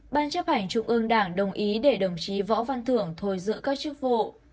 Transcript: ban chấp hành trung ương đảng đồng ý để đồng chí võ văn thường thối dựa các chức vụ